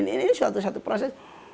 ini suatu suatu proses